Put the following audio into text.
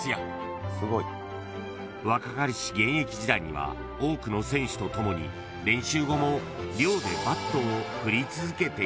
［若かりし現役時代には多くの選手とともに練習後も寮でバットを振り続けていました］